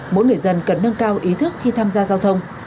mỗi người dân cần nâng cao ý thức khi tham gia giao thông